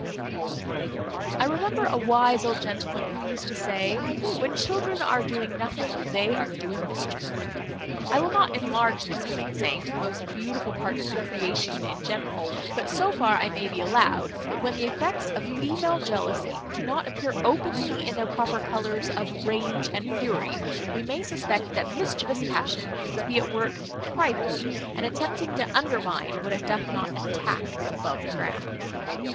I remember a wise old gentleman who used to say, "When children are doing nothing, they are doing mischief." I will not enlarge this quaint saying to the most beautiful part of the creation in general; but so far I may be allowed, that when the effects of female jealousy do not appear openly in their proper colours of rage and fury, we may suspect that mischievous passion to be at work privately, and attempting to undermine, what it doth not attack above ground.